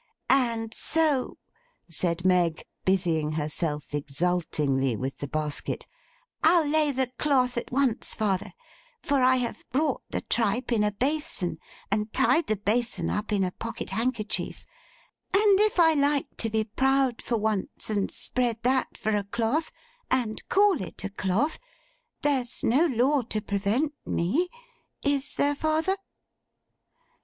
'And so,' said Meg, busying herself exultingly with the basket, 'I'll lay the cloth at once, father; for I have brought the tripe in a basin, and tied the basin up in a pocket handkerchief; and if I like to be proud for once, and spread that for a cloth, and call it a cloth, there's no law to prevent me; is there, father?